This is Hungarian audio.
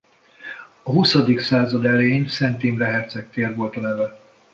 A huszadik század elején Szent Imre herceg tér volt a neve.